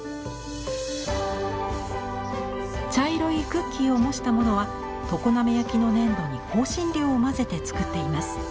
茶色いクッキーを模したものは常滑焼の粘土に香辛料を混ぜて作っています。